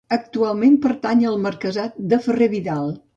Actualment pertany al marquesat de Ferrer-Vidal.